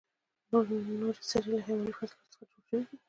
نورې سرې له حیواني فاضله موادو څخه جوړ شوي دي.